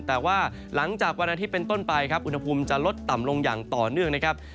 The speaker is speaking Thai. แต่ว่าหลังจากวันอาทิตย์เป็นต้นไปครับอุณหภูมิจะลดต่ำลงอย่างต่อเนื่องนะครับ